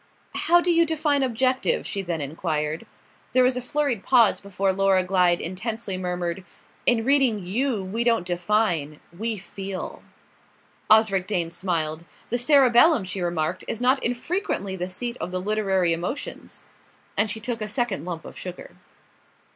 "How do you define objective?" she then enquired. There was a flurried pause before Laura Glyde intensely murmured: "In reading you we don't define, we feel." Otsric Dane smiled. "The cerebellum," she remarked, "is not infrequently the seat of the literary emotions." And she took a second lump of sugar.